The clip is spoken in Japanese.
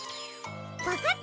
わかった！